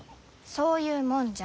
そういうもんじゃ。